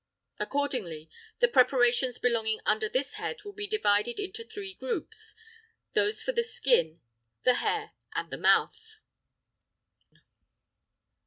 Accordingly the preparations belonging under this head will be divided into three groups—those for the skin, the hair, and the mouth.